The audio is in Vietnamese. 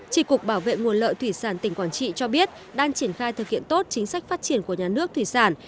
trị cục bảo vệ nguồn lợi thủy sản tỉnh quảng trị cho biết đang triển khai thực hiện tốt chính sách phát triển của nhà nước thủy sản